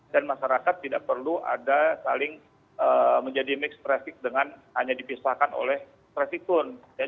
dan masyarakat tidak perlu ada saling menjadi mixed traffic dengan hanya dipisahkan oleh traffic turn